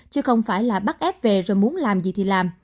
chứ không phải là bắt ép về rồi muốn làm gì thì làm